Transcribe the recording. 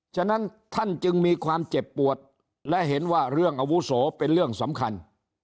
ฉะนั้นท่านจึงมีความเจ็บปวดและเห็นว่าเรื่องอาวุโสเป็นเรื่องสำคัญ